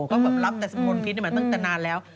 ก็แบบรับแต่คนพิษมาตั้งแต่นานแล้ว